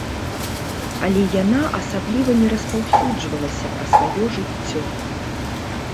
Але яна асабліва не распаўсюджвалася пра сваё жыццё.